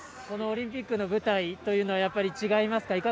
このオリンピックの舞台はやっぱり違いますか。